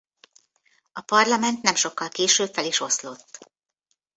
A Parlament nem sokkal később fel is oszlott.